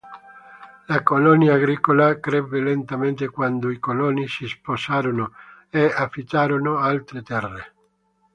La colonia agricola crebbe lentamente quando i coloni si sposarono e affittarono altre terre.